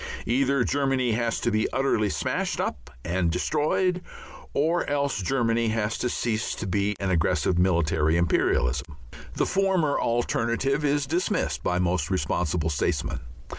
Either Germany has to be utterly smashed up and destroyed or else Germany has to cease to be an aggressive military imperialism. The former alternative is dismissed by most responsible statesmen.